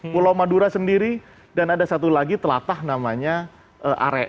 pulau madura sendiri dan ada satu lagi telatah namanya are